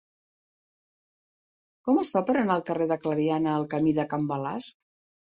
Com es fa per anar del carrer de Clariana al camí de Can Balasc?